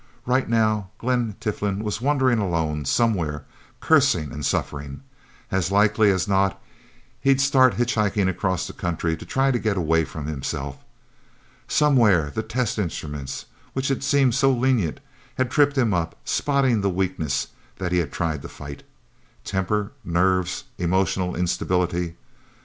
Right now, Glen Tiflin was wandering alone, somewhere, cursing and suffering. As likely as not, he'd start hitchhiking across the country, to try to get away from himself... Somewhere the test instruments which had seemed so lenient had tripped him up, spotting the weakness that he had tried to fight. Temper, nerves emotional instability.